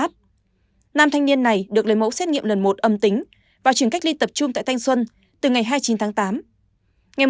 nam thanh niên này được lấy mẫu xét nghiệm lần một âm tính và chuyển cách ly tập trung tại thanh xuân từ ngày hai mươi chín tháng tám